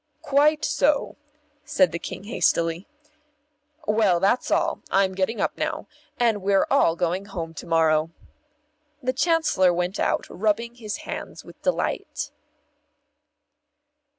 "Quite so," said the King hastily. "Well, that's all I'm getting up now. And we're all going home to morrow." The Chancellor went out, rubbing his hands with delight.